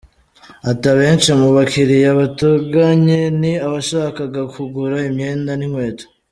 Ati “Abenshi mu bakiriya batugannye ni abashakaga kugura imyenda n’inkweto.